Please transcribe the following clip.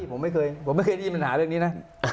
ผมไม่เคยผมไม่เคยได้ยินปัญหาเรื่องนี้นะ